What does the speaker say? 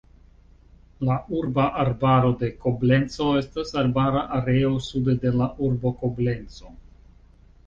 La urba arbaro de Koblenco estas arbara areo sude de la urbo Koblenco.